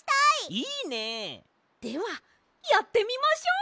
いいね！ではやってみましょう！